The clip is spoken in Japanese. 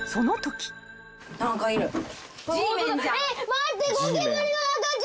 待って！